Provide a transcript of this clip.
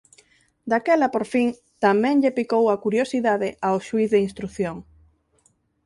Daquela, por fin, tamén lle picou a curiosidade ao xuíz de instrución.